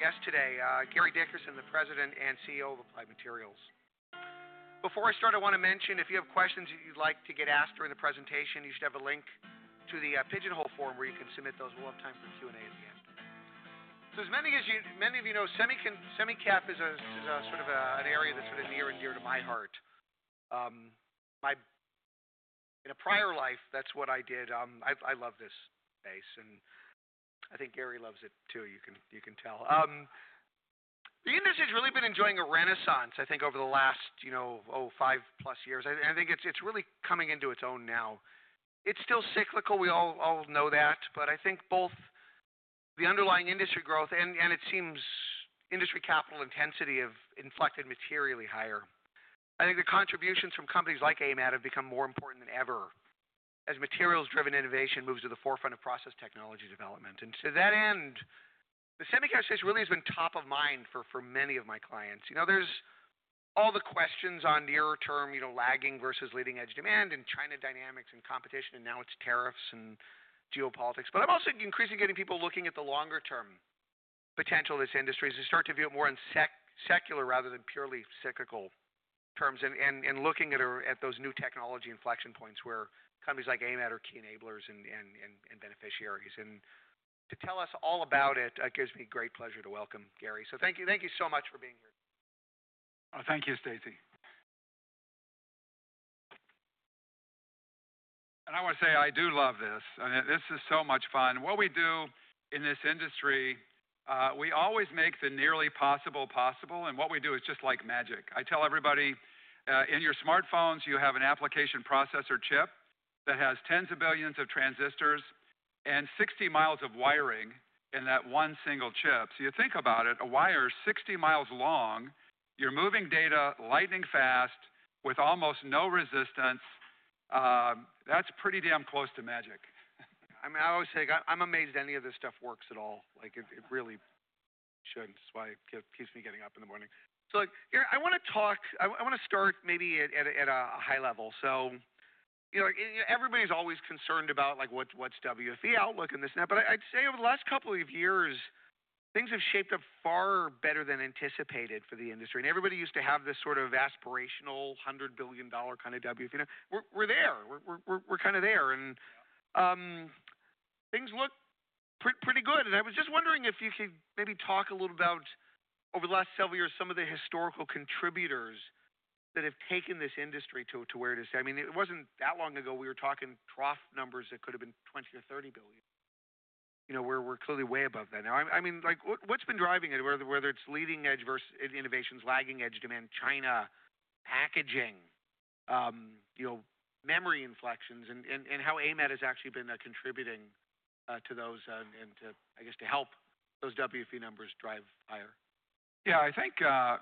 Guest today, Gary Dickerson, the President and CEO of Applied Materials. Before I start, I want to mention, if you have questions that you'd like to get asked during the presentation, you should have a link to the pigeonhole form where you can submit those. We'll have time for Q&A at the end. As many of you know, semi-cap is a sort of an area that's sort of near and dear to my heart. In a prior life, that's what I did. I love this space, and I think Gary loves it too, you can tell. The industry has really been enjoying a renaissance, I think, over the last, you know, five-plus years. I think it's really coming into its own now. It's still cyclical, we all know that, but I think both the underlying industry growth and it seems industry capital intensity have inflected materially higher. I think the contributions from companies like AMAT have become more important than ever as materials-driven innovation moves to the forefront of process technology development. To that end, the semi-cap space really has been top of mind for many of my clients. You know, there are all the questions on near-term, you know, lagging versus leading-edge demand and China dynamics and competition, and now it is tariffs and geopolitics. I am also increasingly getting people looking at the longer-term potential of this industry as they start to view it more in secular rather than purely cyclical terms and looking at those new technology inflection points where companies like AMAT are key enablers and beneficiaries. To tell us all about it, it gives me great pleasure to welcome Gary. Thank you so much for being here. Thank you, Stacey. I want to say I do love this. I mean, this is so much fun. What we do in this industry, we always make the nearly possible possible, and what we do is just like magic. I tell everybody, in your smartphones, you have an application processor chip that has tens of billions of transistors and 60 mi of wiring in that one single chip. You think about it, a wire is 60 mi long, you're moving data lightning fast with almost no resistance. That's pretty damn close to magic. I mean, I always say, I'm amazed any of this stuff works at all. Like, it really should. That's why it keeps me getting up in the morning. Look, Gary, I want to talk, I want to start maybe at a high level. You know, everybody's always concerned about, like, what's WFE outlook and this and that, but I'd say over the last couple of years, things have shaped up far better than anticipated for the industry. Everybody used to have this sort of aspirational $100 billion kind of WFE. We're there, we're kind of there, and things look pretty good. I was just wondering if you could maybe talk a little about, over the last several years, some of the historical contributors that have taken this industry to where it is. I mean, it wasn't that long ago, we were talking through numbers that could have been $20 billion or $30 billion. You know, we're clearly way above that now. I mean, like, what's been driving it, whether it's leading-edge versus innovations, lagging-edge demand, China, packaging, you know, memory inflections, and how AMAT has actually been contributing to those and to, I guess, to help those WFE numbers drive higher? Yeah, I think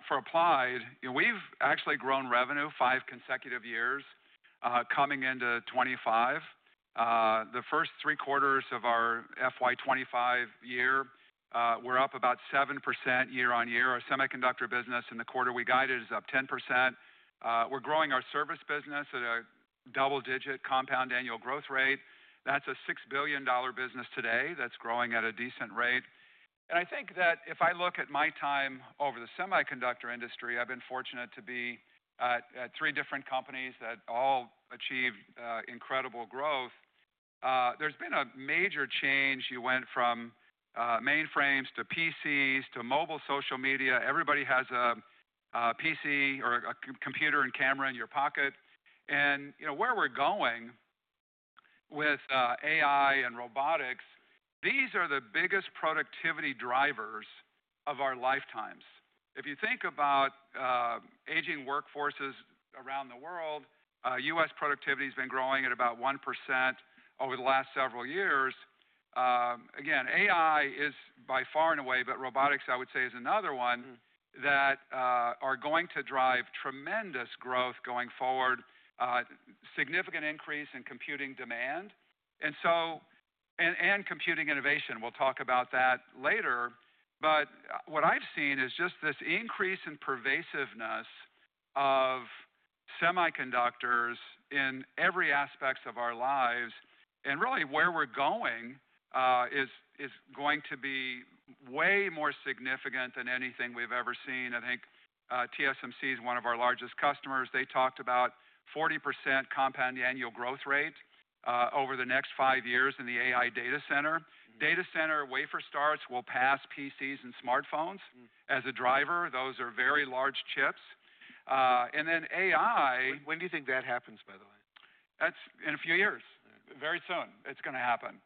for Applied, you know, we've actually grown revenue five consecutive years coming into 2025. The first three quarters of our FY 2025 year, we're up about 7% year on year. Our semiconductor business in the quarter we guided is up 10%. We're growing our service business at a double-digit compound annual growth rate. That's a $6 billion business today that's growing at a decent rate. I think that if I look at my time over the semiconductor industry, I've been fortunate to be at three different companies that all achieved incredible growth. There's been a major change. You went from mainframes to PCs to mobile social media. Everybody has a PC or a computer and camera in your pocket. You know, where we're going with AI and robotics, these are the biggest productivity drivers of our lifetimes. If you think about aging workforces around the world, U.S. productivity has been growing at about 1% over the last several years. Again, AI is by far and away, but robotics, I would say, is another one that are going to drive tremendous growth going forward, significant increase in computing demand, and computing innovation. We'll talk about that later. What I've seen is just this increase in pervasiveness of semiconductors in every aspect of our lives. Really, where we're going is going to be way more significant than anything we've ever seen. I think TSMC is one of our largest customers. They talked about 40% compound annual growth rate over the next five years in the AI data center. Data center wafer starts will pass PCs and smartphones as a driver. Those are very large chips. And then AI. When do you think that happens, by the way? That's in a few years. Very soon. It's going to happen.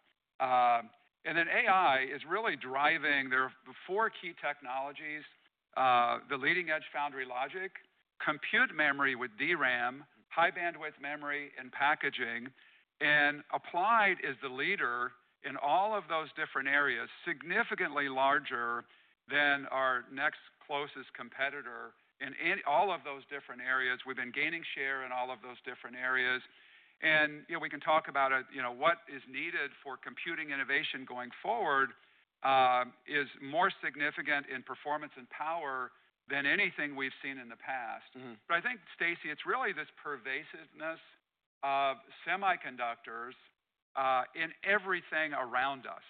AI is really driving. There are four key technologies: the leading-edge foundry logic, compute memory with DRAM, high bandwidth memory and packaging, and Applied is the leader in all of those different areas, significantly larger than our next closest competitor in all of those different areas. We've been gaining share in all of those different areas. You know, we can talk about, you know, what is needed for computing innovation going forward is more significant in performance and power than anything we've seen in the past. I think, Stacey, it's really this pervasiveness of semiconductors in everything around us.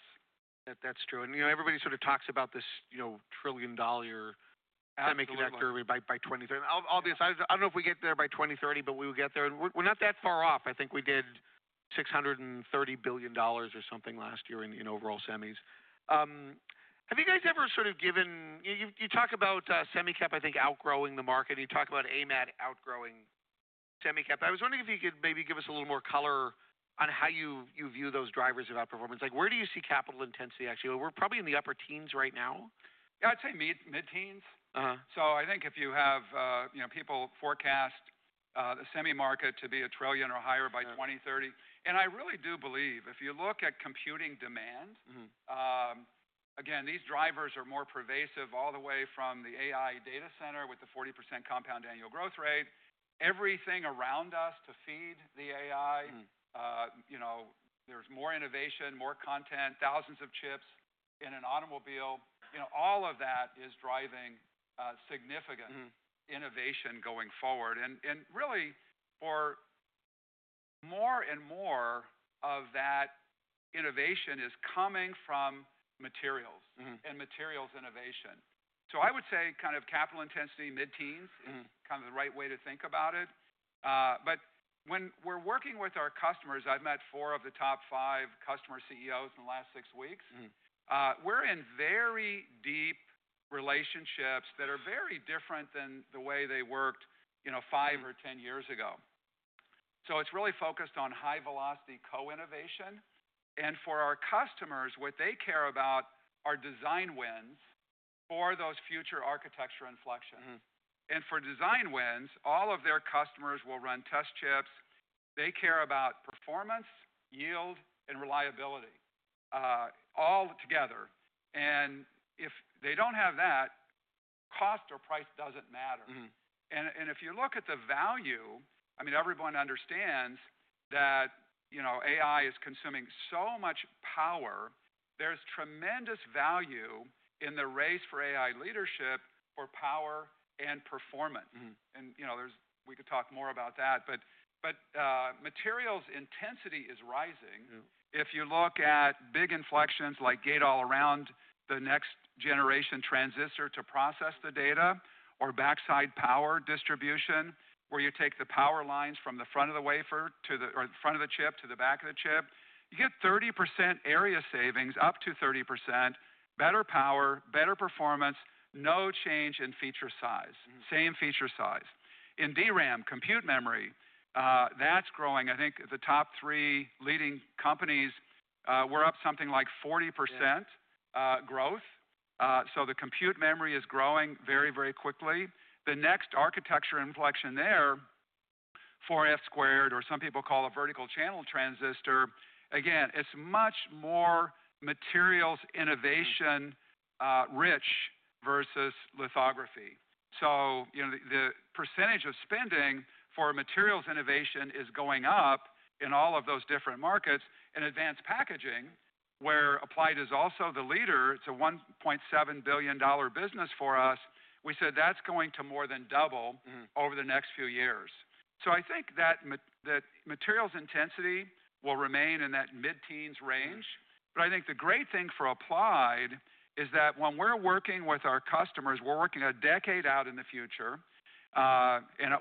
That's true. You know, everybody sort of talks about this, you know, trillion dollar semiconductor by 2030. I'll be honest, I don't know if we get there by 2030, but we will get there. We're not that far off. I think we did $630 billion or something last year in overall semis. Have you guys ever sort of given, you talk about semi-cap, I think, outgrowing the market. You talk about AMAT outgrowing semi-cap. I was wondering if you could maybe give us a little more color on how you view those drivers of outperformance. Like, where do you see capital intensity actually? We're probably in the upper teens right now. Yeah, I'd say mid-teens. I think if you have, you know, people forecast the semi market to be a trillion or higher by 2030. I really do believe if you look at computing demand, again, these drivers are more pervasive all the way from the AI data center with the 40% compound annual growth rate. Everything around us to feed the AI, you know, there's more innovation, more content, thousands of chips in an automobile, you know, all of that is driving significant innovation going forward. Really, more and more of that innovation is coming from materials and materials innovation. I would say kind of capital intensity, mid-teens is kind of the right way to think about it. When we're working with our customers, I've met four of the top five customer CEOs in the last six weeks. We're in very deep relationships that are very different than the way they worked, you know, five or ten years ago. It is really focused on high velocity co-innovation. For our customers, what they care about are design wins for those future architecture inflections. For design wins, all of their customers will run test chips. They care about performance, yield, and reliability all together. If they do not have that, cost or price does not matter. If you look at the value, I mean, everyone understands that, you know, AI is consuming so much power. There is tremendous value in the race for AI leadership for power and performance. You know, we could talk more about that. Materials intensity is rising. If you look at big inflections like Gate All Around, the next generation transistor to process the data, or backside power distribution, where you take the power lines from the front of the wafer to the, or the front of the chip to the back of the chip, you get 30% area savings, up to 30%, better power, better performance, no change in feature size, same feature size. In DRAM, compute memory, that's growing. I think the top three leading companies were up something like 40% growth. So the compute memory is growing very, very quickly. The next architecture inflection there, 4F squared, or some people call a vertical channel transistor, again, it's much more materials innovation rich versus lithography. So, you know, the percentage of spending for materials innovation is going up in all of those different markets. In advanced packaging, where Applied is also the leader, it's a $1.7 billion business for us. We said that's going to more than double over the next few years. I think that materials intensity will remain in that mid-teens range. I think the great thing for Applied is that when we're working with our customers, we're working a decade out in the future.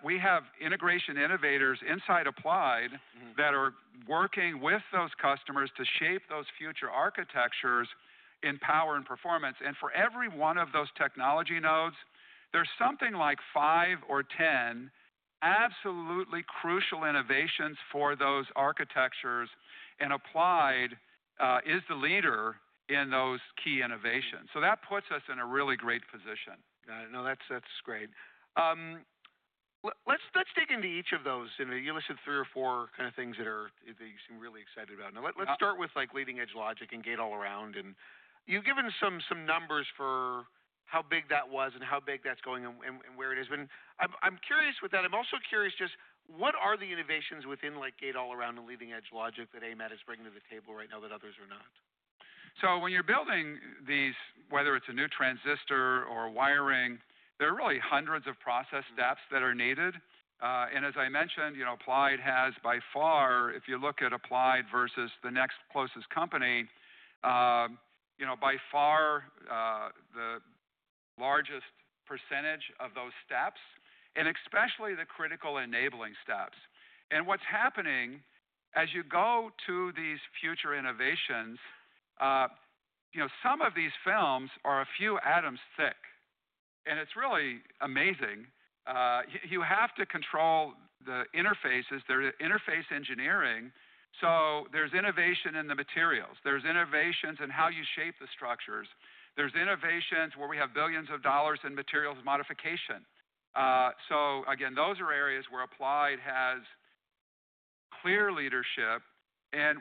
We have integration innovators inside Applied that are working with those customers to shape those future architectures in power and performance. For every one of those technology nodes, there's something like five or ten absolutely crucial innovations for those architectures. Applied is the leader in those key innovations. That puts us in a really great position. Got it. No, that's great. Let's dig into each of those. You listed three or four kind of things that you seem really excited about. Now, let's start with like leading-edge logic and Gate All Around. You've given some numbers for how big that was and how big that's going and where it has been. I'm curious with that. I'm also curious just what are the innovations within like Gate All Around and leading-edge logic that AMAT is bringing to the table right now that others are not? When you're building these, whether it's a new transistor or wiring, there are really hundreds of process steps that are needed. As I mentioned, you know, Applied has by far, if you look at Applied versus the next closest company, by far the largest percentage of those steps, and especially the critical enabling steps. What's happening as you go to these future innovations, you know, some of these films are a few atoms thick. It's really amazing. You have to control the interfaces. There's interface engineering. There's innovation in the materials. There's innovations in how you shape the structures. There's innovations where we have billions of dollars in materials modification. Again, those are areas where Applied has clear leadership.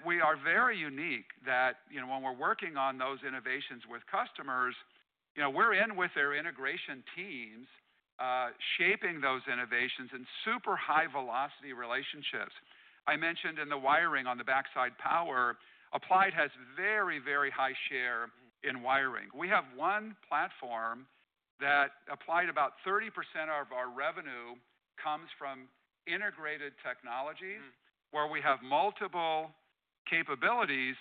We are very unique that, you know, when we're working on those innovations with customers, you know, we're in with their integration teams shaping those innovations in super high velocity relationships. I mentioned in the wiring on the backside power, Applied has very, very high share in wiring. We have one platform that Applied, about 30% of our revenue comes from integrated technologies where we have multiple capabilities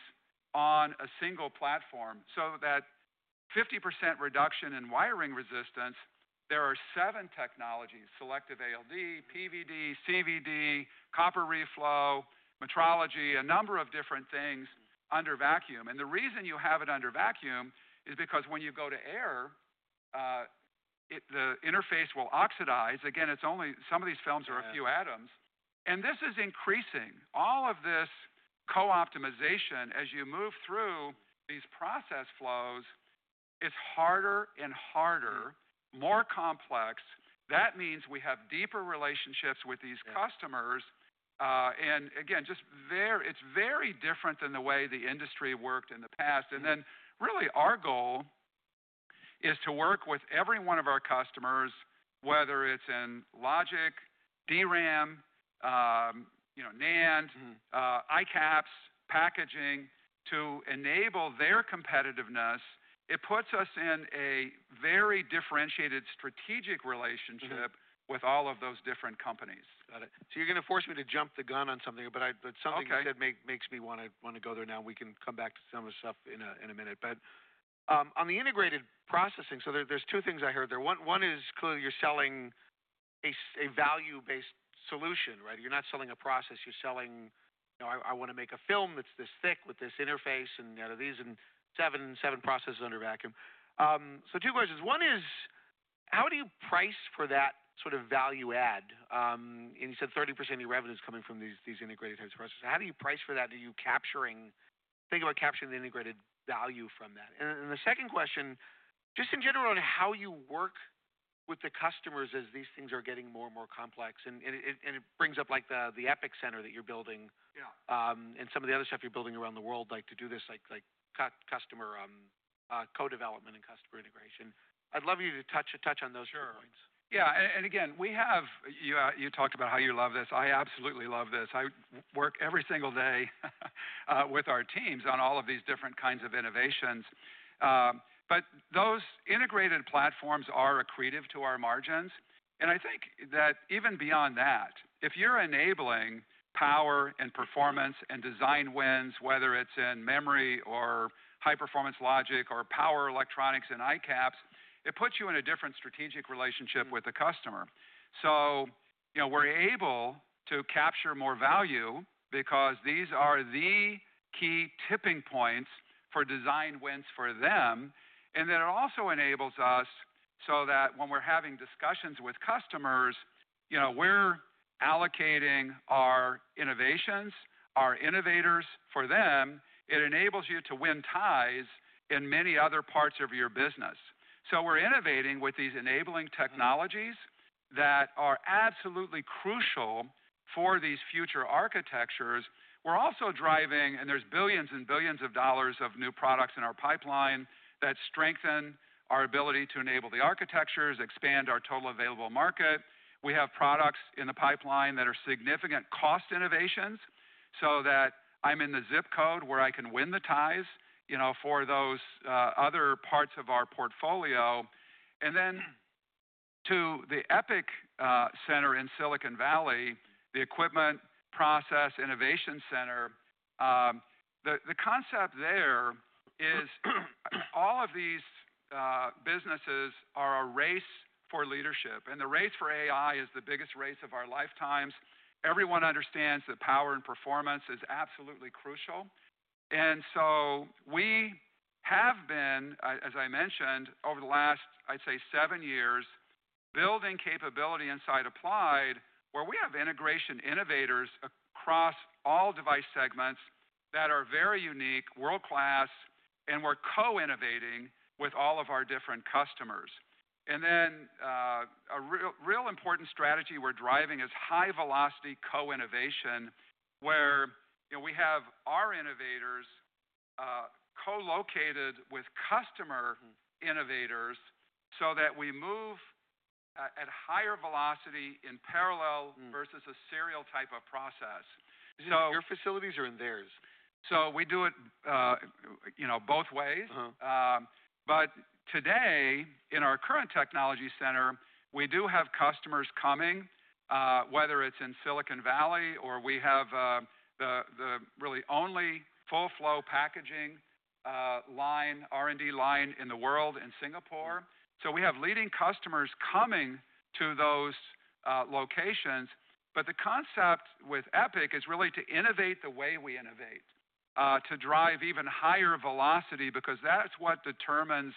on a single platform. That 50% reduction in wiring resistance, there are seven technologies: selective ALD, PVD, CVD, copper reflow, metrology, a number of different things under vacuum. The reason you have it under vacuum is because when you go to air, the interface will oxidize. Again, some of these films are a few atoms. This is increasing. All of this co-optimization as you move through these process flows is harder and harder, more complex. That means we have deeper relationships with these customers. It is very different than the way the industry worked in the past. Really, our goal is to work with every one of our customers, whether it is in logic, DRAM, NAND, ICAPS, packaging, to enable their competitiveness. It puts us in a very differentiated strategic relationship with all of those different companies. Got it. You're going to force me to jump the gun on something, but something you said makes me want to go there now. We can come back to some of this stuff in a minute. On the integrated processing, there are two things I heard there. One is clearly you're selling a value-based solution, right? You're not selling a process. You're selling, you know, I want to make a film that's this thick with this interface and out of these and seven processes under vacuum. Two questions. One is, how do you price for that sort of value add? You said 30% of your revenue is coming from these integrated types of processes. How do you price for that? Are you capturing, think about capturing the integrated value from that? The second question, just in general on how you work with the customers as these things are getting more and more complex. It brings up like the Epic Center that you're building and some of the other stuff you're building around the world, like to do this like customer co-development and customer integration. I'd love you to touch on those points. Sure. Yeah. Again, you talked about how you love this. I absolutely love this. I work every single day with our teams on all of these different kinds of innovations. Those integrated platforms are accretive to our margins. I think that even beyond that, if you're enabling power and performance and design wins, whether it's in memory or high performance logic or power electronics and ICAPS, it puts you in a different strategic relationship with the customer. You know, we're able to capture more value because these are the key tipping points for design wins for them. It also enables us so that when we're having discussions with customers, you know, we're allocating our innovations, our innovators for them. It enables you to win ties in many other parts of your business. We're innovating with these enabling technologies that are absolutely crucial for these future architectures. We're also driving, and there's billions and billions of dollars of new products in our pipeline that strengthen our ability to enable the architectures, expand our total available market. We have products in the pipeline that are significant cost innovations so that I'm in the zip code where I can win the ties, you know, for those other parts of our portfolio. To the Epic Center in Silicon Valley, the equipment process innovation center, the concept there is all of these businesses are a race for leadership. The race for AI is the biggest race of our lifetimes. Everyone understands that power and performance is absolutely crucial. We have been, as I mentioned, over the last, I'd say, seven years, building capability inside Applied where we have integration innovators across all device segments that are very unique, world-class, and we're co-innovating with all of our different customers. A real important strategy we're driving is high velocity co-innovation where, you know, we have our innovators co-located with customer innovators so that we move at higher velocity in parallel versus a serial type of process. Your facilities are in theirs. We do it, you know, both ways. Today in our current technology center, we do have customers coming, whether it's in Silicon Valley or we have the really only full-flow packaging line, R&D line in the world in Singapore. We have leading customers coming to those locations. The concept with Epic is really to innovate the way we innovate, to drive even higher velocity because that's what determines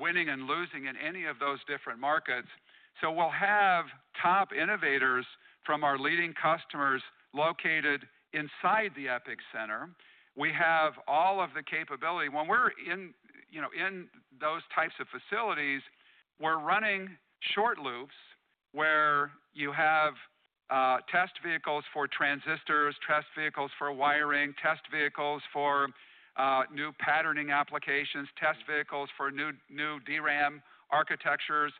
winning and losing in any of those different markets. We will have top innovators from our leading customers located inside the Epic Center. We have all of the capability. When we're in, you know, in those types of facilities, we're running short loops where you have test vehicles for transistors, test vehicles for wiring, test vehicles for new patterning applications, test vehicles for new DRAM architectures.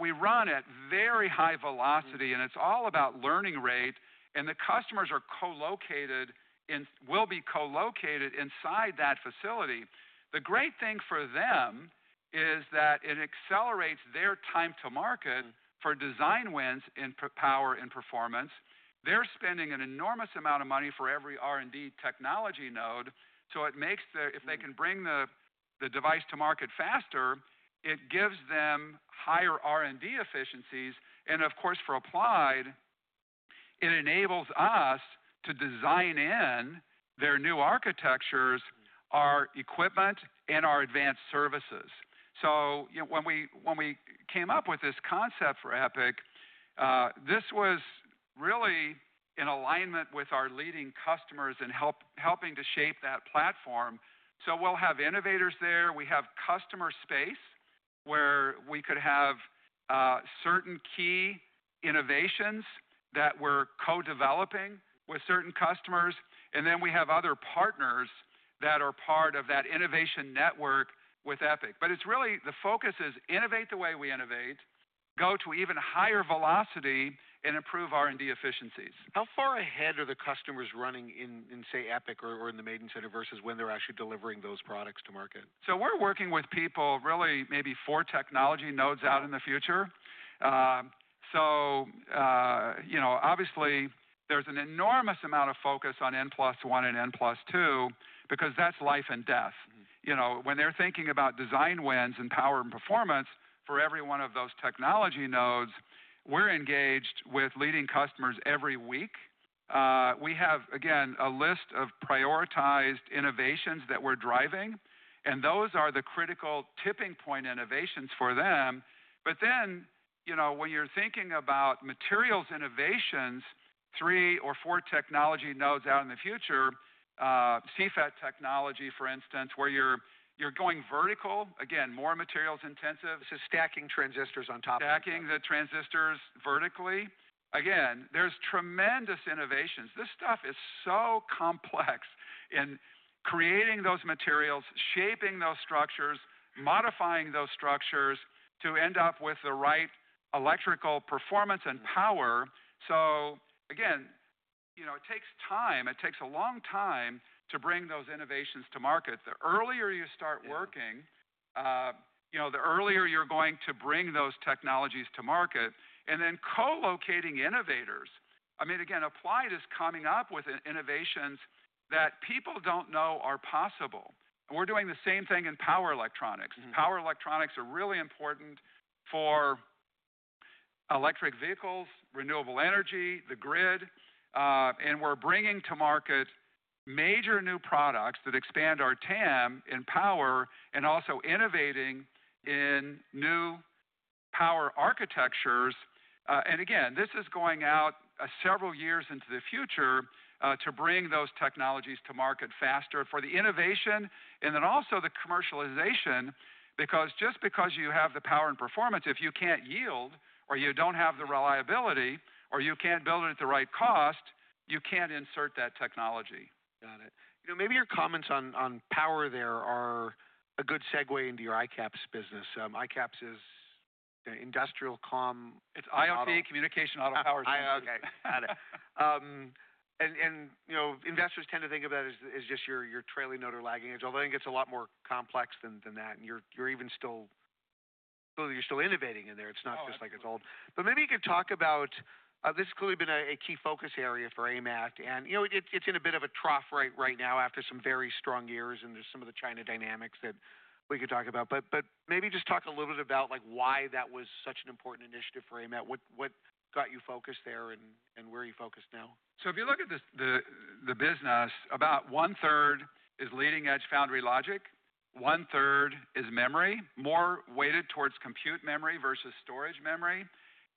We run at very high velocity and it's all about learning rate and the customers are co-located and will be co-located inside that facility. The great thing for them is that it accelerates their time to market for design wins in power and performance. They're spending an enormous amount of money for every R&D technology node. It makes that if they can bring the device to market faster, it gives them higher R&D efficiencies. Of course, for Applied, it enables us to design in their new architectures, our equipment, and our advanced services. You know, when we came up with this concept for Epic, this was really in alignment with our leading customers and helping to shape that platform. We'll have innovators there. We have customer space where we could have certain key innovations that we're co-developing with certain customers. We have other partners that are part of that innovation network with Epic. The focus is innovate the way we innovate, go to even higher velocity, and improve R&D efficiencies. How far ahead are the customers running in, say, Epic or in the Epic Center versus when they're actually delivering those products to market? We're working with people really maybe four technology nodes out in the future. You know, obviously there's an enormous amount of focus on N plus one and N plus two because that's life and death. You know, when they're thinking about design wins and power and performance for every one of those technology nodes, we're engaged with leading customers every week. We have, again, a list of prioritized innovations that we're driving. Those are the critical tipping point innovations for them. You know, when you're thinking about materials innovations, three or four technology nodes out in the future, CFET technology, for instance, where you're going vertical, again, more materials intensive. Stacking transistors on top of each other. Stacking the transistors vertically. Again, there's tremendous innovations. This stuff is so complex in creating those materials, shaping those structures, modifying those structures to end up with the right electrical performance and power. You know, it takes time. It takes a long time to bring those innovations to market. The earlier you start working, you know, the earlier you're going to bring those technologies to market. I mean, again, Applied is coming up with innovations that people don't know are possible. We're doing the same thing in power electronics. Power electronics are really important for electric vehicles, renewable energy, the grid. We're bringing to market major new products that expand our TAM in power and also innovating in new power architectures. This is going out several years into the future to bring those technologies to market faster for the innovation and then also the commercialization because just because you have the power and performance, if you can't yield or you don't have the reliability or you can't build it at the right cost, you can't insert that technology. Got it. You know, maybe your comments on power there are a good segue into your ICAPS business. ICAPS is Industrial, Communications, Automotive, Power, and Sensors. It's ICAPS, Communication, Auto, Power, Services. IOP, got it. And you know, investors tend to think of that as just your trailing node or lagging edge, although I think it's a lot more complex than that. And you're even still, you're still innovating in there. It's not just like it's old. Maybe you could talk about, this has clearly been a key focus area for AMAT. You know, it's in a bit of a trough right now after some very strong years and there's some of the China dynamics that we could talk about. Maybe just talk a little bit about like why that was such an important initiative for AMAT. What got you focused there and where are you focused now? If you look at the business, about one third is leading edge foundry logic. One third is memory, more weighted towards compute memory versus storage memory.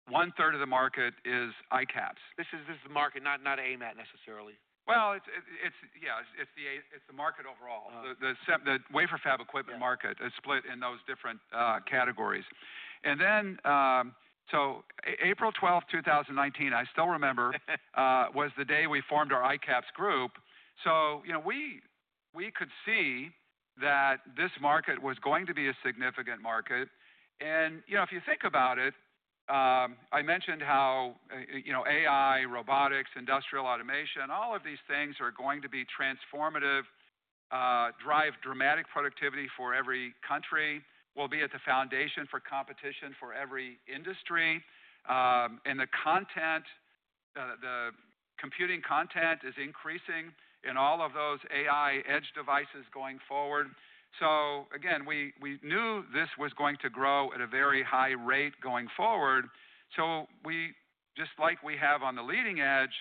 One third of the market is ICAPS. This is the market, not AMAT necessarily. Yeah, it's the market overall. The wafer fab equipment market is split in those different categories. April 12th, 2019, I still remember, was the day we formed our ICAPS group. You know, we could see that this market was going to be a significant market. You know, if you think about it, I mentioned how, you know, AI, robotics, industrial automation, all of these things are going to be transformative, drive dramatic productivity for every country, will be at the foundation for competition for every industry. The content, the computing content is increasing in all of those AI edge devices going forward. Again, we knew this was going to grow at a very high rate going forward. Just like we have on the leading edge,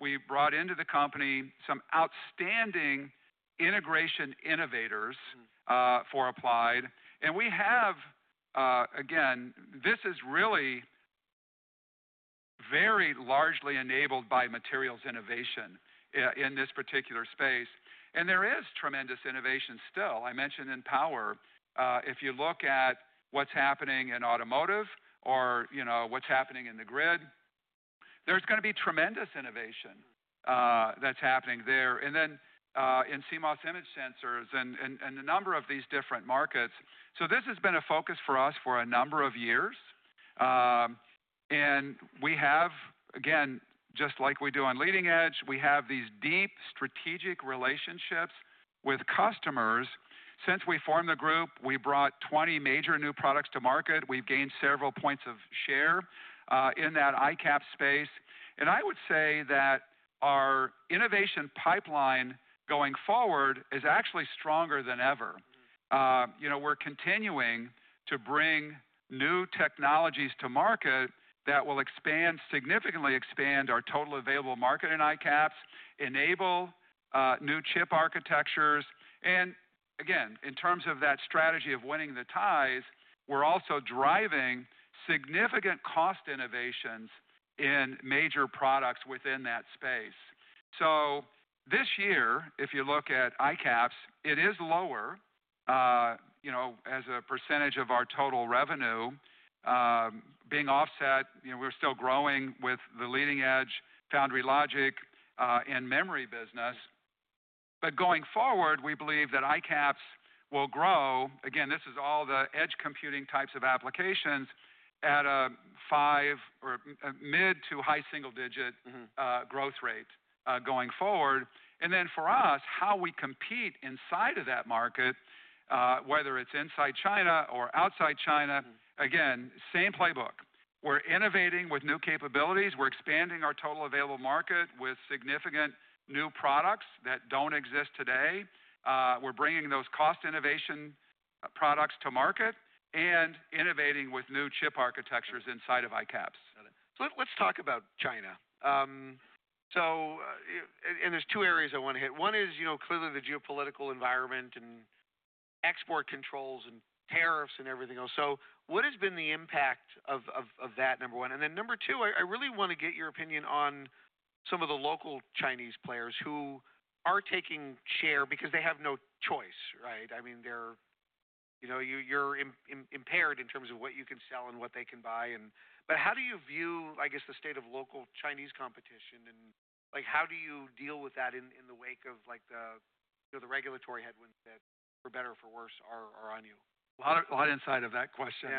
we brought into the company some outstanding integration innovators for Applied. We have, again, this is really very largely enabled by materials innovation in this particular space. There is tremendous innovation still. I mentioned in power, if you look at what is happening in automotive or, you know, what is happening in the grid, there is going to be tremendous innovation that is happening there. In CMOS image sensors and a number of these different markets, this has been a focus for us for a number of years. We have, again, just like we do on leading edge, these deep strategic relationships with customers. Since we formed the group, we brought 20 major new products to market. We have gained several points of share in that ICAPS space. I would say that our innovation pipeline going forward is actually stronger than ever. You know, we're continuing to bring new technologies to market that will expand, significantly expand our total available market in ICAPS, enable new chip architectures. Again, in terms of that strategy of winning the ties, we're also driving significant cost innovations in major products within that space. This year, if you look at ICAPS, it is lower, you know, as a percentage of our total revenue being offset. You know, we're still growing with the leading edge foundry logic and memory business. Going forward, we believe that ICAPS will grow. Again, this is all the edge computing types of applications at a 5% or mid to high single digit growth rate going forward. For us, how we compete inside of that market, whether it's inside China or outside China, again, same playbook. We're innovating with new capabilities. We're expanding our total available market with significant new products that don't exist today. We're bringing those cost innovation products to market and innovating with new chip architectures inside of ICAPS. Let's talk about China. There are two areas I want to hit. One is, you know, clearly the geopolitical environment and export controls and tariffs and everything else. What has been the impact of that, number one? Number two, I really want to get your opinion on some of the local Chinese players who are taking share because they have no choice, right? I mean, you're impaired in terms of what you can sell and what they can buy. How do you view, I guess, the state of local Chinese competition? How do you deal with that in the wake of the, you know, the regulatory headwinds that for better or for worse are on you? A lot inside of that question.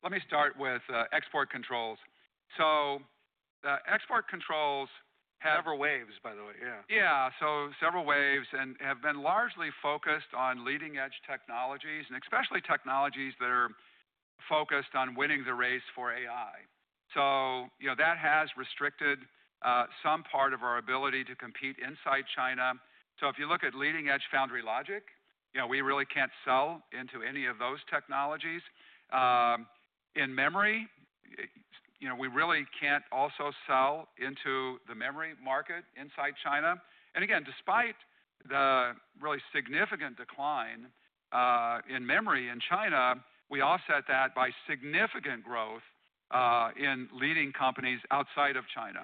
Let me start with export controls. The export controls have. Several waves, by the way. Yeah. Yeah. Several waves have been largely focused on leading edge technologies and especially technologies that are focused on winning the race for AI. You know, that has restricted some part of our ability to compete inside China. If you look at leading edge foundry logic, you know, we really can't sell into any of those technologies. In memory, you know, we really can't also sell into the memory market inside China. Again, despite the really significant decline in memory in China, we offset that by significant growth in leading companies outside of China.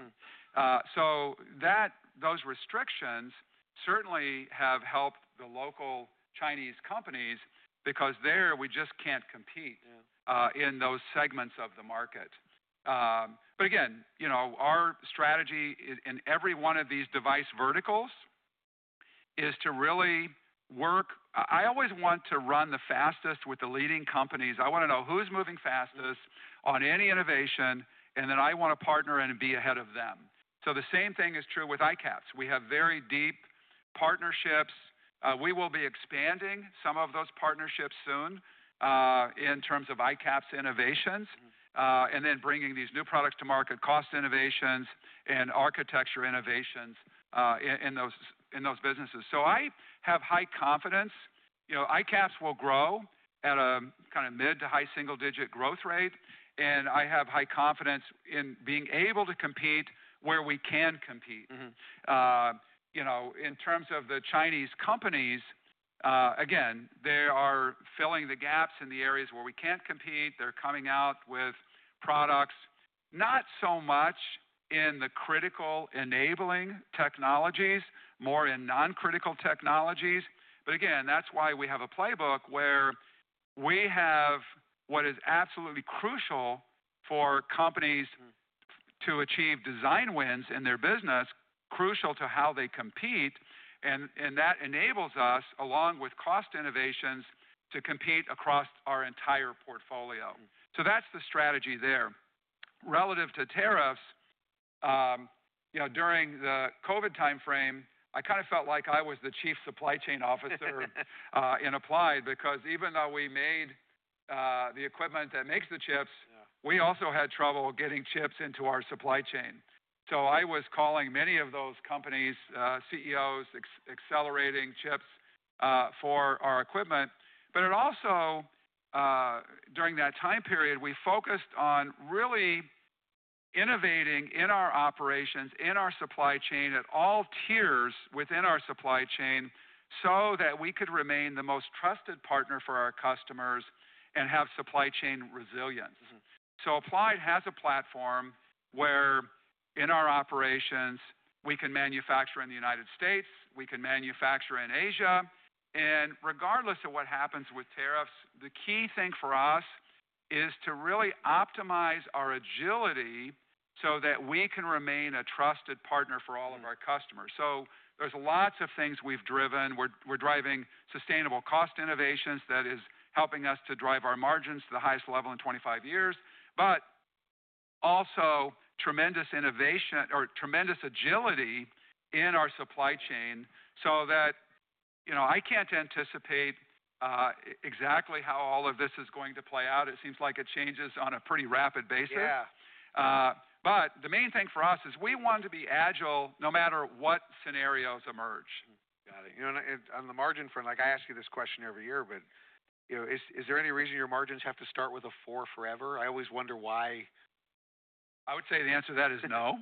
Those restrictions certainly have helped the local Chinese companies because there we just can't compete in those segments of the market. Again, you know, our strategy in every one of these device verticals is to really work. I always want to run the fastest with the leading companies. I want to know who's moving fastest on any innovation, and then I want to partner and be ahead of them. The same thing is true with ICAPS. We have very deep partnerships. We will be expanding some of those partnerships soon in terms of ICAPS innovations and then bringing these new products to market, cost innovations and architecture innovations in those businesses. I have high confidence, you know, ICAPS will grow at a kind of mid to high single-digit growth rate. I have high confidence in being able to compete where we can compete. You know, in terms of the Chinese companies, again, they are filling the gaps in the areas where we can't compete. They're coming out with products, not so much in the critical enabling technologies, more in non-critical technologies. Again, that's why we have a playbook where we have what is absolutely crucial for companies to achieve design wins in their business, crucial to how they compete. That enables us, along with cost innovations, to compete across our entire portfolio. That's the strategy there. Relative to tariffs, you know, during the COVID timeframe, I kind of felt like I was the Chief Supply Chain Officer in Applied because even though we made the equipment that makes the chips, we also had trouble getting chips into our supply chain. I was calling many of those companies, CEOs, accelerating chips for our equipment. During that time period, we focused on really innovating in our operations, in our supply chain, at all tiers within our supply chain so that we could remain the most trusted partner for our customers and have supply chain resilience. Applied has a platform where in our operations, we can manufacture in the United States, we can manufacture in Asia. Regardless of what happens with tariffs, the key thing for us is to really optimize our agility so that we can remain a trusted partner for all of our customers. There are lots of things we've driven. We're driving sustainable cost innovations that is helping us to drive our margins to the highest level in 25 years, but also tremendous innovation or tremendous agility in our supply chain so that, you know, I can't anticipate exactly how all of this is going to play out. It seems like it changes on a pretty rapid basis. Yeah. The main thing for us is we want to be agile no matter what scenarios emerge. Got it. You know, on the margin front, like I ask you this question every year, but you know, is there any reason your margins have to start with a four forever? I always wonder why. I would say the answer to that is no.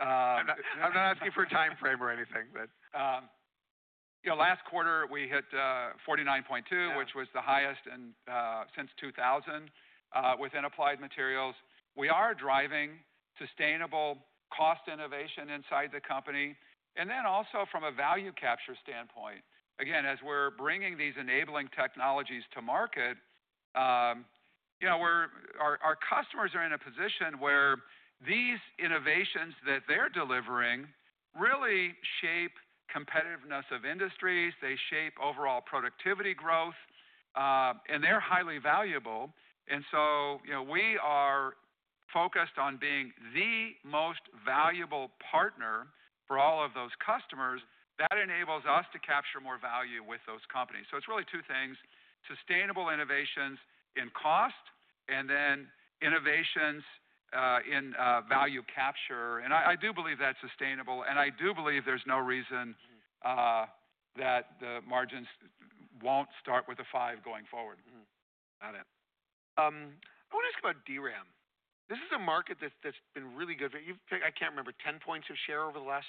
I'm not asking for a timeframe or anything, but you know, last quarter we hit $49.2 billion, which was the highest since 2000 within Applied Materials. We are driving sustainable cost innovation inside the company. Also, from a value capture standpoint, again, as we're bringing these enabling technologies to market, you know, our customers are in a position where these innovations that they're delivering really shape competitiveness of industries. They shape overall productivity growth, and they're highly valuable. You know, we are focused on being the most valuable partner for all of those customers. That enables us to capture more value with those companies. It is really two things: sustainable innovations in cost and then innovations in value capture. I do believe that's sustainable. I do believe there's no reason that the margins won't start with a five going forward. Got it. I want to ask about DRAM. This is a market that's been really good. I can't remember, 10 points of share over the last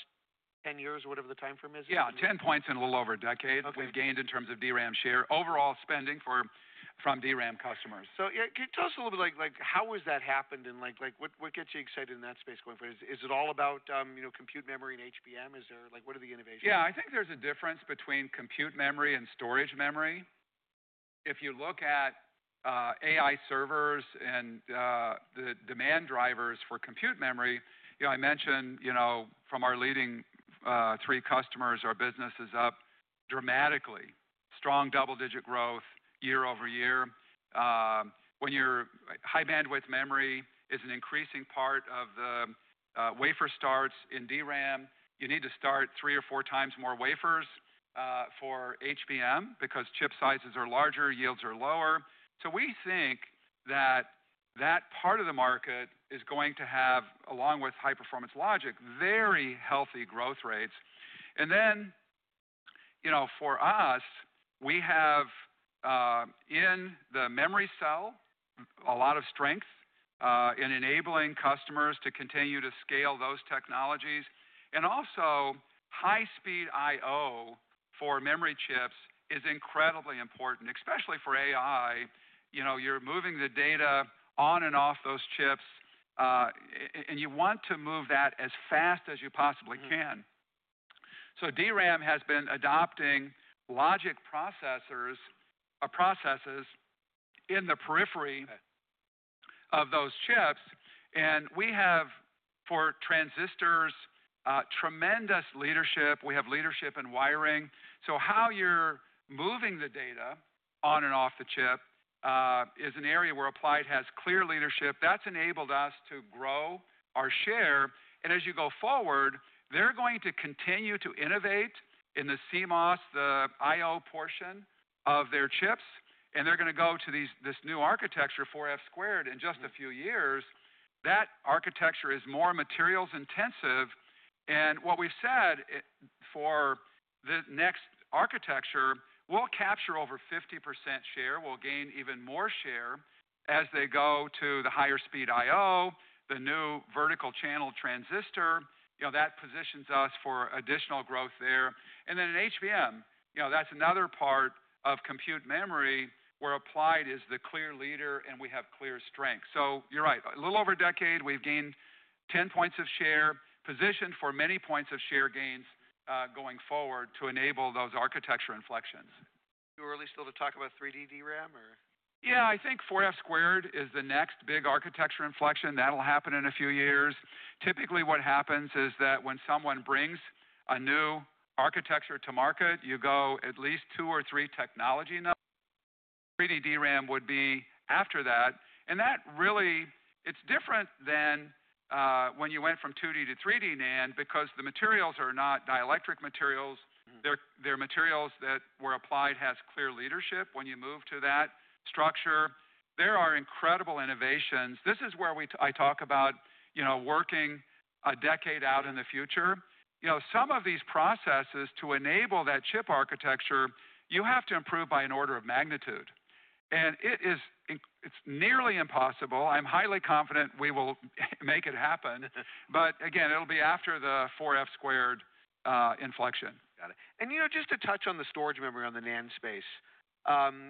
10 years or whatever the timeframe is. Yeah, 10 points in a little over a decade. We've gained in terms of DRAM share, overall spending from DRAM customers. Can you tell us a little bit, like, how has that happened and what gets you excited in that space going forward? Is it all about, you know, compute memory and HBM? Is there, like, what are the innovations? Yeah, I think there's a difference between compute memory and storage memory. If you look at AI servers and the demand drivers for compute memory, you know, I mentioned, you know, from our leading three customers, our business is up dramatically. Strong double digit growth year over year. When your high bandwidth memory is an increasing part of the wafer starts in DRAM, you need to start three or four times more wafers for HBM because chip sizes are larger, yields are lower. We think that that part of the market is going to have, along with high performance logic, very healthy growth rates. For us, we have in the memory cell a lot of strength in enabling customers to continue to scale those technologies. Also, high speed IO for memory chips is incredibly important, especially for AI. You know, you're moving the data on and off those chips, and you want to move that as fast as you possibly can. DRAM has been adopting logic processors in the periphery of those chips. We have, for transistors, tremendous leadership. We have leadership in wiring. How you're moving the data on and off the chip is an area where Applied has clear leadership. That's enabled us to grow our share. As you go forward, they're going to continue to innovate in the CMOS, the IO portion of their chips. They're going to go to this new architecture, 4F squared, in just a few years. That architecture is more materials intensive. What we've said for the next architecture, we'll capture over 50% share. We'll gain even more share as they go to the higher speed IO, the new vertical channel transistor. You know, that positions us for additional growth there. In HBM, you know, that's another part of compute memory where Applied is the clear leader and we have clear strength. You're right. A little over a decade, we've gained 10 points of share, positioned for many points of share gains going forward to enable those architecture inflections. Are we still to talk about 3D DRAM or? Yeah, I think 4F squared is the next big architecture inflection. That'll happen in a few years. Typically, what happens is that when someone brings a new architecture to market, you go at least two or three technology nodes. 3D DRAM would be after that. And that really, it's different than when you went from 2D to 3D NAND because the materials are not dielectric materials. They're materials that where Applied has clear leadership when you move to that structure. There are incredible innovations. This is where I talk about, you know, working a decade out in the future. You know, some of these processes to enable that chip architecture, you have to improve by an order of magnitude. And it is, it's nearly impossible. I'm highly confident we will make it happen. But again, it'll be after the 4F squared inflection. Got it. And you know, just to touch on the storage memory on the NAND space,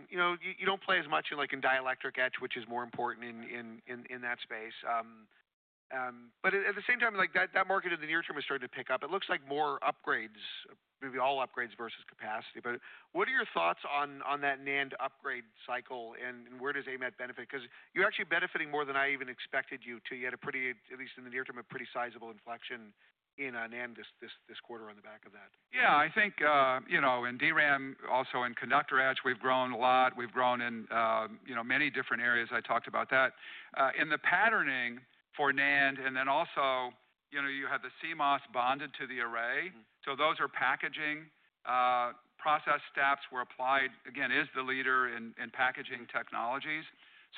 you know, you do not play as much in like in dielectric edge, which is more important in that space. At the same time, like that market in the near term is starting to pick up. It looks like more upgrades, maybe all upgrades versus capacity. What are your thoughts on that NAND upgrade cycle and where does AMAT benefit? Because you are actually benefiting more than I even expected you to. You had a pretty, at least in the near term, a pretty sizable inflection in NAND this quarter on the back of that. Yeah, I think, you know, in DRAM, also in conductor edge, we've grown a lot. We've grown in, you know, many different areas. I talked about that. In the patterning for NAND, and then also, you know, you have the CMOS bonded to the array. Those are packaging process steps where Applied, again, is the leader in packaging technologies.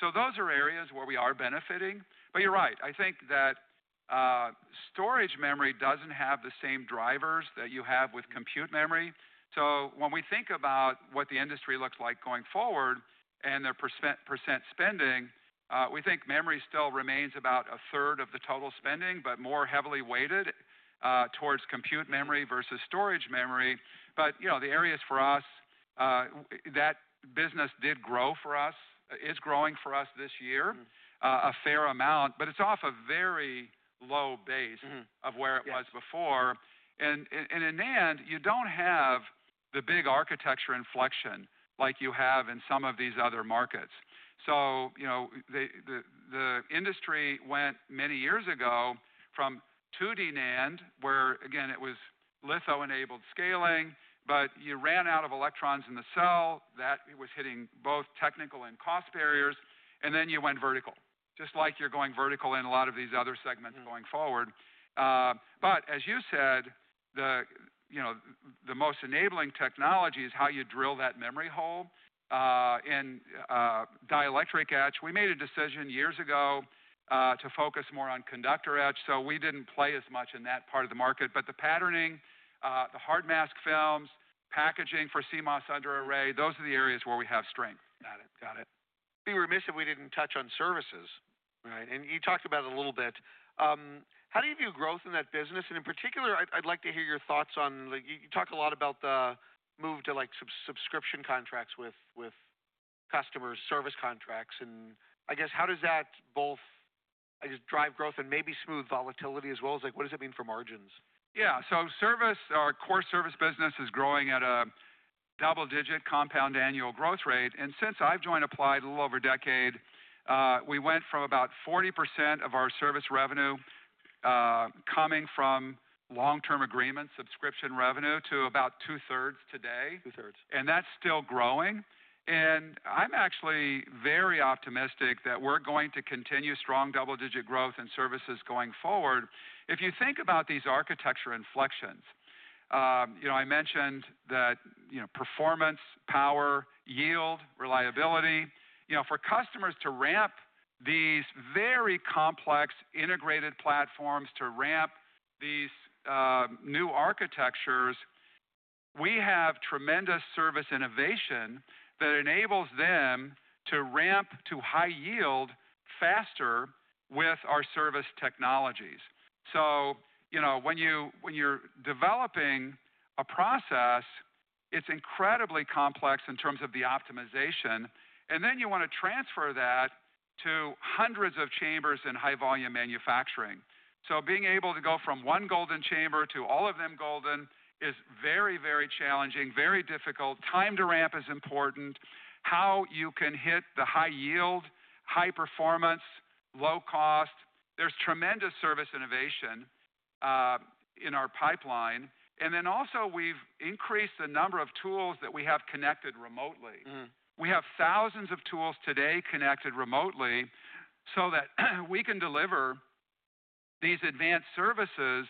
Those are areas where we are benefiting. You're right. I think that storage memory doesn't have the same drivers that you have with compute memory. When we think about what the industry looks like going forward and their % spending, we think memory still remains about a third of the total spending, but more heavily weighted towards compute memory versus storage memory. You know, the areas for us, that business did grow for us, is growing for us this year, a fair amount, but it is off a very low base of where it was before. In NAND, you do not have the big architecture inflection like you have in some of these other markets. The industry went many years ago from 2D NAND, where again, it was LISO enabled scaling, but you ran out of electrons in the cell. That was hitting both technical and cost barriers. You went vertical, just like you are going vertical in a lot of these other segments going forward. As you said, the most enabling technology is how you drill that memory hole in dielectric edge. We made a decision years ago to focus more on conductor edge. We did not play as much in that part of the market. The patterning, the hard mask films, packaging for CMOS under array, those are the areas where we have strength. Got it. Got it. Being remiss if we did not touch on services, right? You talked about it a little bit. How do you view growth in that business? In particular, I would like to hear your thoughts on, like you talk a lot about the move to, like, subscription contracts with customers, service contracts. I guess how does that both, I guess, drive growth and maybe smooth volatility as well as, like, what does it mean for margins? Yeah, so service, our core service business is growing at a double-digit compound annual growth rate. Since I've joined Applied a little over a decade, we went from about 40% of our service revenue coming from long-term agreements, subscription revenue to about two-thirds today. Two-thirds. That's still growing. I'm actually very optimistic that we're going to continue strong double-digit growth in services going forward. If you think about these architecture inflections, you know, I mentioned that, you know, performance, power, yield, reliability, you know, for customers to ramp these very complex integrated platforms to ramp these new architectures, we have tremendous service innovation that enables them to ramp to high yield faster with our service technologies. You know, when you're developing a process, it's incredibly complex in terms of the optimization. Then you want to transfer that to hundreds of chambers in high-volume manufacturing. Being able to go from one golden chamber to all of them golden is very, very challenging, very difficult. Time to ramp is important. How you can hit the high yield, high performance, low cost, there's tremendous service innovation in our pipeline. We have increased the number of tools that we have connected remotely. We have thousands of tools today connected remotely so that we can deliver these advanced services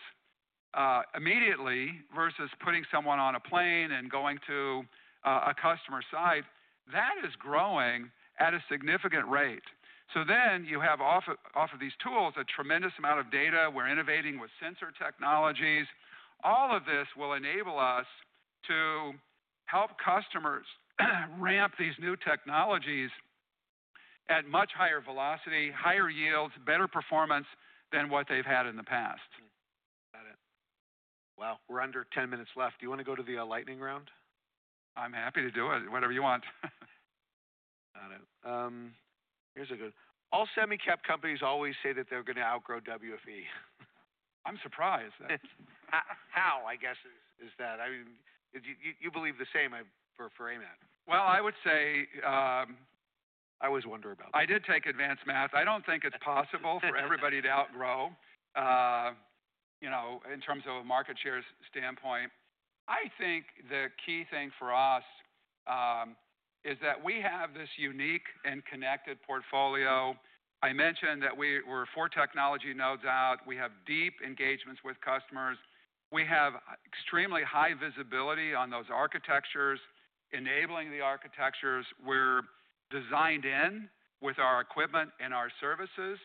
immediately versus putting someone on a plane and going to a customer site. That is growing at a significant rate. Off of these tools, there is a tremendous amount of data. We are innovating with sensor technologies. All of this will enable us to help customers ramp these new technologies at much higher velocity, higher yields, and better performance than what they have had in the past. Got it. Wow, we're under 10 minutes left. Do you want to go to the lightning round? I'm happy to do it. Whatever you want. Got it. Here's a good. All semi-cap companies always say that they're going to outgrow WFE. I'm surprised. How, I guess, is that? I mean, you believe the same for Applied Materials. I would say I was wondering about that. I did take advanced math. I don't think it's possible for everybody to outgrow, you know, in terms of a market share standpoint. I think the key thing for us is that we have this unique and connected portfolio. I mentioned that we're four technology nodes out. We have deep engagements with customers. We have extremely high visibility on those architectures, enabling the architectures we're designed in with our equipment and our services.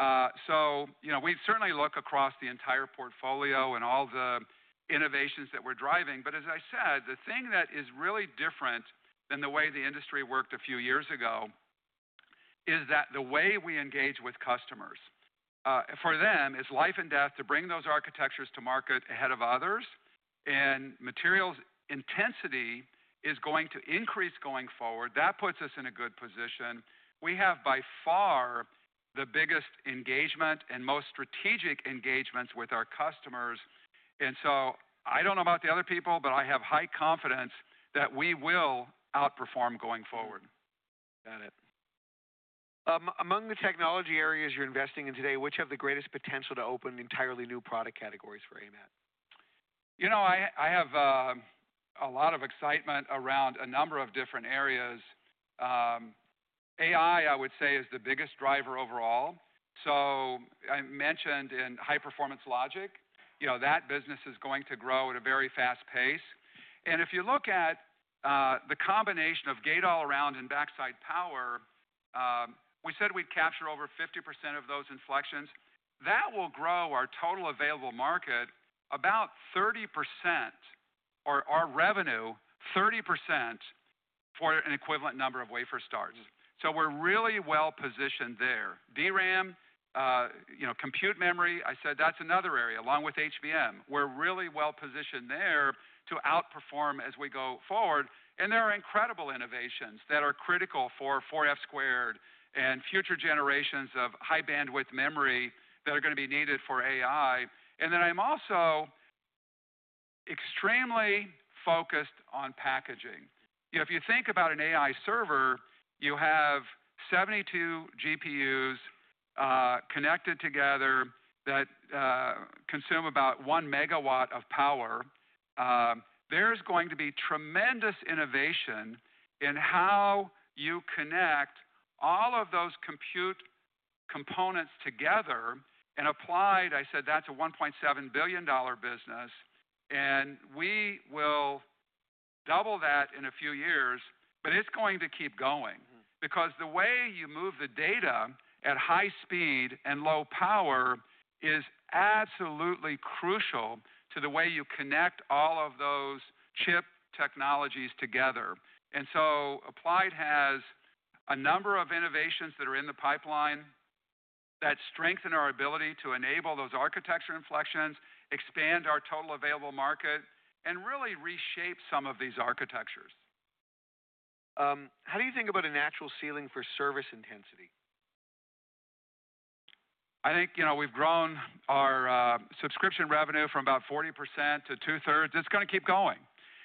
You know, we certainly look across the entire portfolio and all the innovations that we're driving. As I said, the thing that is really different than the way the industry worked a few years ago is that the way we engage with customers for them is life and death to bring those architectures to market ahead of others. Materials intensity is going to increase going forward. That puts us in a good position. We have by far the biggest engagement and most strategic engagements with our customers. I do not know about the other people, but I have high confidence that we will outperform going forward. Got it. Among the technology areas you're investing in today, which have the greatest potential to open entirely new product categories for Applied Materials? You know, I have a lot of excitement around a number of different areas. AI, I would say, is the biggest driver overall. I mentioned in high performance logic, you know, that business is going to grow at a very fast pace. If you look at the combination of Gate All Around and backside power, we said we'd capture over 50% of those inflections. That will grow our total available market about 30% or our revenue, 30% for an equivalent number of wafer starts. We're really well positioned there. DRAM, you know, compute memory, I said that's another area along with HBM. We're really well positioned there to outperform as we go forward. There are incredible innovations that are critical for 4F squared and future generations of high-bandwidth memory that are going to be needed for AI. I'm also extremely focused on packaging. You know, if you think about an AI server, you have 72 GPUs connected together that consume about one megawatt of power. There is going to be tremendous innovation in how you connect all of those compute components together. And Applied, I said that is a $1.7 billion business. We will double that in a few years. It is going to keep going because the way you move the data at high speed and low power is absolutely crucial to the way you connect all of those chip technologies together. Applied has a number of innovations that are in the pipeline that strengthen our ability to enable those architecture inflections, expand our total available market, and really reshape some of these architectures. How do you think about a natural ceiling for service intensity? I think, you know, we've grown our subscription revenue from about 40% to two-thirds. It's going to keep going.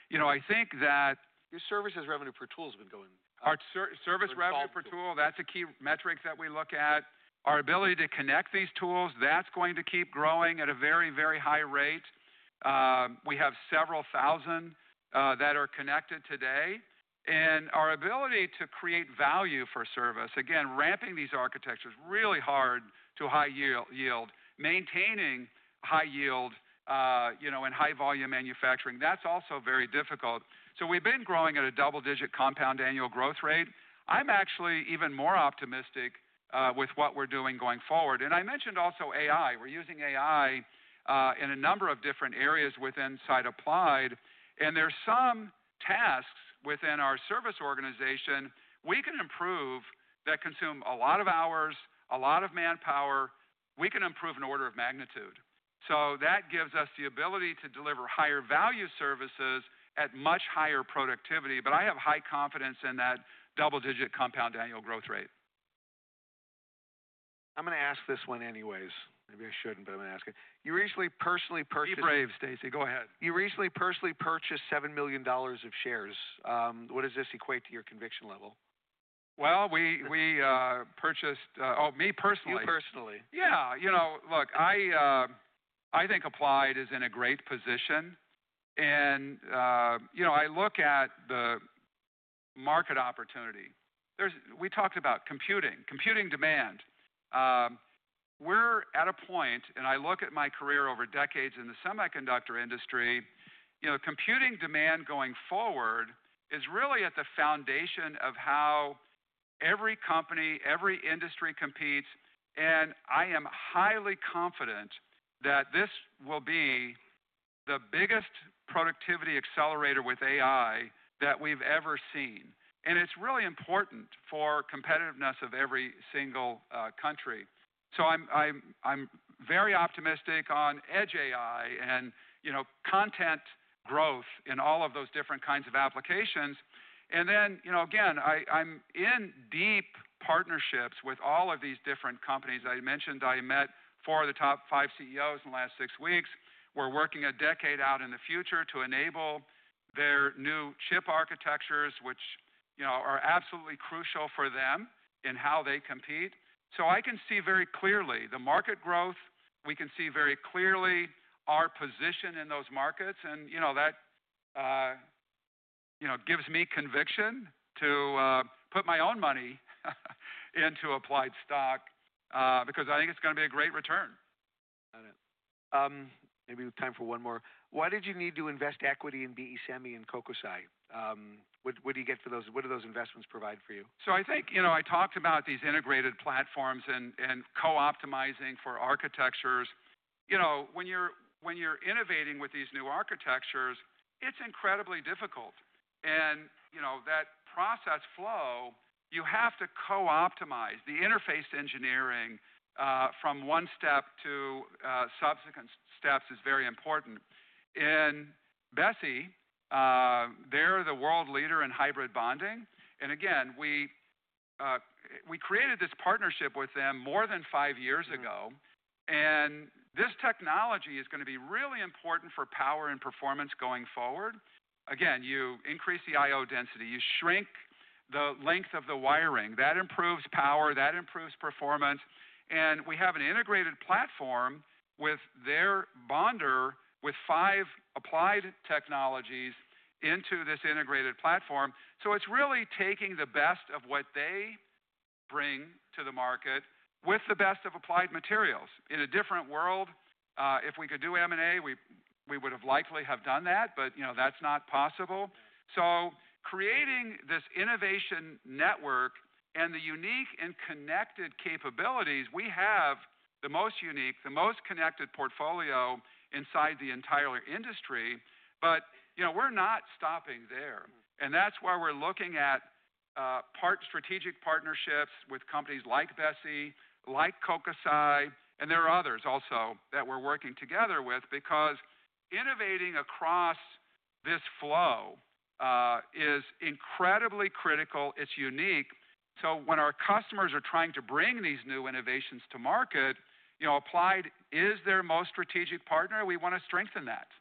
You know, I think that. Your services revenue per tool has been going. Our service revenue per tool, that's a key metric that we look at. Our ability to connect these tools, that's going to keep growing at a very, very high rate. We have several thousand that are connected today. Our ability to create value for service, again, ramping these architectures really hard to high yield, maintaining high yield, you know, and high volume manufacturing, that's also very difficult. We have been growing at a double-digit compound annual growth rate. I'm actually even more optimistic with what we're doing going forward. I mentioned also AI. We're using AI in a number of different areas within site Applied. There are some tasks within our service organization we can improve that consume a lot of hours, a lot of manpower. We can improve an order of magnitude. That gives us the ability to deliver higher value services at much higher productivity. I have high confidence in that double digit compound annual growth rate. I'm going to ask this one anyways. Maybe I shouldn't, but I'm going to ask it. You recently personally purchased. Be brave, Stacey. Go ahead. You recently personally purchased $7 million of shares. What does this equate to your conviction level? We purchased, oh, me personally. You personally. Yeah. You know, look, I think Applied is in a great position. You know, I look at the market opportunity. We talked about computing, computing demand. We're at a point, and I look at my career over decades in the semiconductor industry, you know, computing demand going forward is really at the foundation of how every company, every industry competes. I am highly confident that this will be the biggest productivity accelerator with AI that we've ever seen. It's really important for competitiveness of every single country. I am very optimistic on edge AI and, you know, content growth in all of those different kinds of applications. You know, again, I'm in deep partnerships with all of these different companies. I mentioned I met four of the top five CEOs in the last six weeks. We're working a decade out in the future to enable their new chip architectures, which, you know, are absolutely crucial for them in how they compete. I can see very clearly the market growth. We can see very clearly our position in those markets. You know, that gives me conviction to put my own money into Applied stock because I think it's going to be a great return. Got it. Maybe time for one more. Why did you need to invest equity in Besi and Kokusai? What do you get for those? What do those investments provide for you? I think, you know, I talked about these integrated platforms and co-optimizing for architectures. You know, when you're innovating with these new architectures, it's incredibly difficult. You know, that process flow, you have to co-optimize. The interface engineering from one step to subsequent steps is very important. Besi, they're the world leader in hybrid bonding. Again, we created this partnership with them more than five years ago. This technology is going to be really important for power and performance going forward. Again, you increase the IO density, you shrink the length of the wiring, that improves power, that improves performance. We have an integrated platform with their bonder with five Applied technologies into this integrated platform. It's really taking the best of what they bring to the market with the best of Applied Materials. In a different world, if we could do M&A, we would have likely done that. But, you know, that's not possible. So creating this innovation network and the unique and connected capabilities, we have the most unique, the most connected portfolio inside the entire industry. But, you know, we're not stopping there. That is why we're looking at strategic partnerships with companies like Besi, like Kokusai, and there are others also that we're working together with because innovating across this flow is incredibly critical. It's unique. So when our customers are trying to bring these new innovations to market, you know, Applied is their most strategic partner. We want to strengthen that.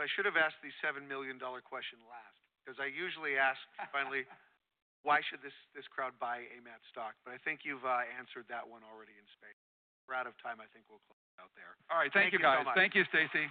I should have asked the $7 million question last because I usually ask finally, why should this crowd buy AMAT stock? But I think you've answered that one already in space. We're out of time. I think we'll close it out there. All right. Thank you, guys. Thank you, Stacey.